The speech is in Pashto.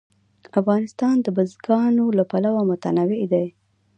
افغانستان د بزګانو له پلوه متنوع هېواد دی.